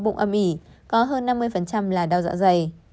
trẻ em đến khám vì lý do đau bụng âm ỉ có hơn năm mươi là đau dạ dày